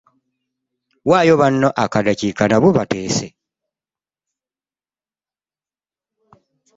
Waayo banno akaddakiika nabo bateese.